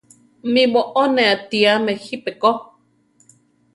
Mí boʼó ne atíame jípi ko.